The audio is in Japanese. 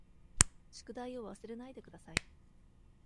宿題を忘れないでください。